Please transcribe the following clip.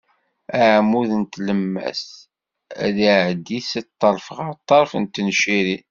Aɛmud n tlemmast ad iɛeddi si ṭṭerf ɣer ṭṭerf n tencirin.